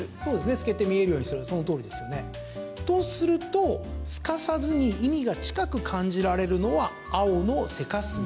透けて見えるようにするそのとおりですよね。とすると、すかさずに意味が近く感じられるのははい。